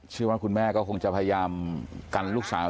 คุณแม่ก็คงจะพยายามกันลูกสาว